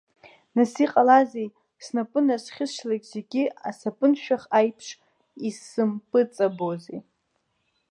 Нас иҟалазеи, снапы назхьысшьлак зегьы асапыншәах аиԥш изсымпыҵабозеи.